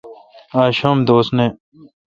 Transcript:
آج شنب دوس نہ۔